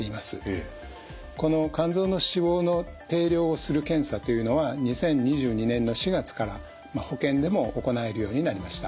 この肝臓の脂肪の定量をする検査というのは２０２２年の４月から保険でも行えるようになりました。